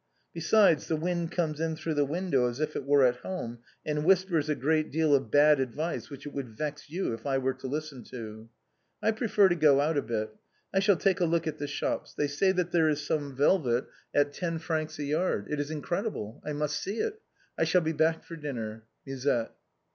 Besides, the wind comes in through the window as if it were at home, and whispers a great deal of bad advice which it would vex you if I were to listen to. I prefer to go out a bit ; I shall take a look at the shops. They say that there is some velvet at 254 THE BOHEMIANS OF THE LATIN QUARTER. ten francs a yard. It is incredible, I must see it. I shall be back for dinner. Musette."